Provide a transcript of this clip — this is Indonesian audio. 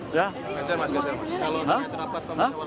biasa mas kalau tidak terdapat pemusyawaratan